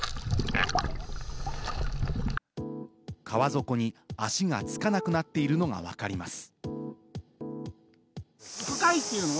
川底に足がつかなくなっているのもわかります。